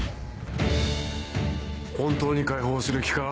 本当に解放する気か？